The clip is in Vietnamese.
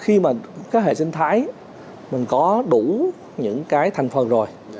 khi mà các hệ sinh thái mình có đủ những cái thành phần rồi